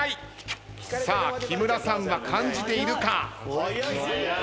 さあ木村さんは感じているか？